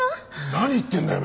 何言ってんだよ